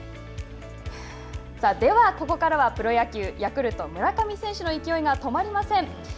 ではここからはプロ野球ヤクルト、村上選手の勢いが止まりません。